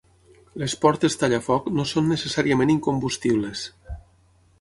Les portes tallafoc no són necessàriament incombustibles.